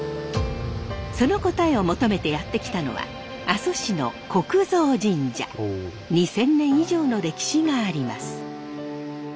その答えを求めてやって来たのは２，０００年以上の歴史があります。